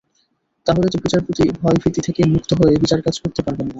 তাহলে তো বিচারপতি ভয়ভীতি থেকে মুক্ত হয়ে বিচারকাজ করতে পারবেন না।